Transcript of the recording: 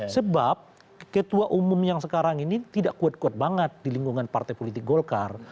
sebab ketua umum yang sekarang ini tidak kuat kuat banget di lingkungan partai politik golkar